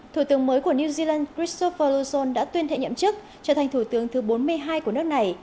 thủ tướng mới của new zealand christopher luxon đã tuyên thệ nhậm chức trở thành thủ tướng thứ bốn mươi hai của nước này